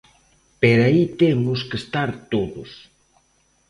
Pero aí temos que estar todos.